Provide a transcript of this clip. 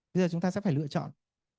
bây giờ chúng ta sẽ phải lựa chọn